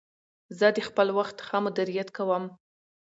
زه د خپل وخت ښه مدیریت کوم.